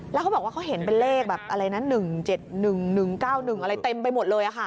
แล้วเขาบอกว่าเขาเห็นเป็นเลขแบบอะไรนะ๑๗๑๑๙๑อะไรเต็มไปหมดเลยค่ะ